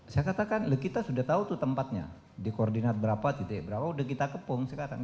saya katakan kita sudah tahu tempatnya di koordinat berapa berapa sudah kita kepung sekarang